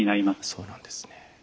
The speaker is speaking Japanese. そうなんですね。